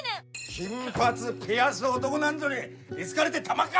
金髪ピアス男なんぞに居つかれでたまっか！